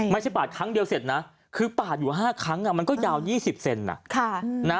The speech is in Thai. ปาดครั้งเดียวเสร็จนะคือปาดอยู่๕ครั้งมันก็ยาว๒๐เซน